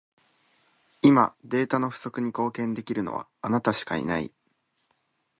今、データの不足に貢献できるのは、あなたしかいない。